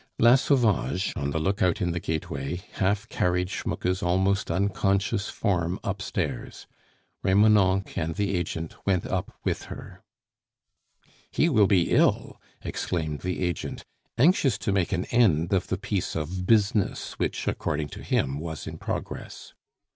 La Sauvage, on the lookout in the gateway, half carried Schmucke's almost unconscious form upstairs. Remonencq and the agent went up with her. "He will be ill!" exclaimed the agent, anxious to make an end of the piece of business which, according to him, was in progress.